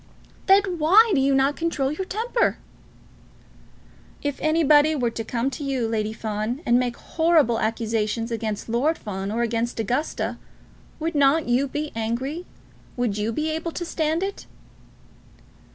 "Then why do you not control your temper?" "If anybody were to come to you, Lady Fawn, and make horrible accusations against Lord Fawn, or against Augusta, would not you be angry? Would you be able to stand it?"